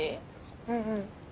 うんうん。